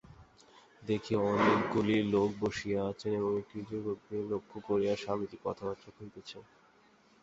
দেখি, অনেকগুলি লোক বসিয়া আছেন এবং একটি যুবককে লক্ষ্য করিয়া স্বামীজী কথাবার্তা কহিতেছেন।